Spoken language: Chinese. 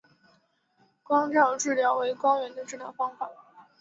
光照治疗为光源的治疗方式。